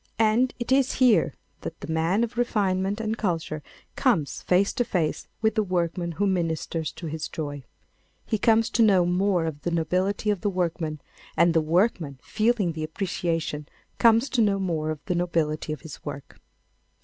And it is here that the man of refinement and culture comes face to face with the workman who ministers to his joy. He comes to know more of the nobility of the workman, and the workman, feeling the appreciation, comes to know more of the nobility of his work.